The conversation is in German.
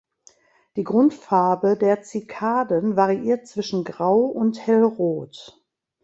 Die Grundfarbe der Zikaden variiert zwischen grau und hellrot.